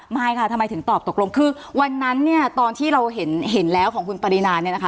ไม่ค่ะทำไมถึงตอบตกลงคือวันนั้นเนี่ยตอนที่เราเห็นแล้วของคุณปรินาเนี่ยนะคะ